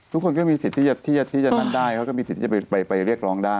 ทุกคนก็มีสิทธิ์ที่จะนั่นได้เขาก็มีสิทธิ์จะไปเรียกร้องได้